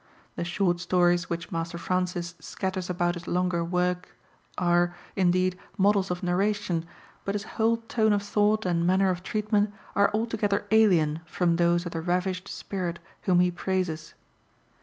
The short stories which Master Francis scatters about his longer work are, indeed, models of narration, but his whole tone of thought and manner of treatment are altogether alien from those of the "ravished spirit" whom he praises.